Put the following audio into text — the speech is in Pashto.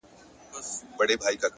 وخت د فرصتونو وزن معلوموي!.